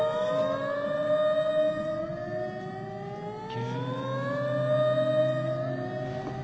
キューン。